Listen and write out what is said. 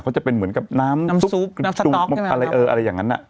เขาจะเป็นเหมือนกับน้ำน้ำซุปน้ำสต๊อกอะไรเอออะไรอย่างนั้นอ่ะ